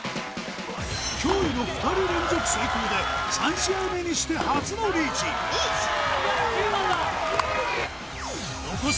驚異の２人連続成功で３試合目にして初のリーチ残す